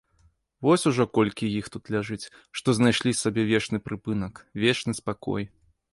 Вось ужо колькі іх тут ляжыць, што знайшлі сабе вечны прыпынак, вечны спакой.